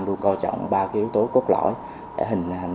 luôn co trọng ba cái yếu tố cốt lõi để hình hành lên cái chất lượng